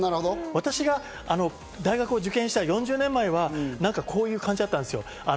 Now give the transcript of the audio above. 私が大学を受験した４０年前はこういう感じだったんです。